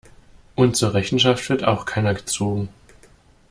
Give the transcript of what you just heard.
Und zur Rechenschaft wird auch keiner gezogen.